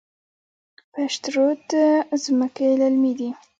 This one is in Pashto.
پشت رود ځمکې للمي دي؟